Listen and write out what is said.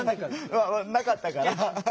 なかったから。